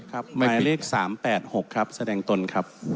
หมายเลข๓๘๖ครับแสดงตนครับ